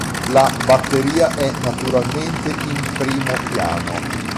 La batteria è naturalmente in primo piano.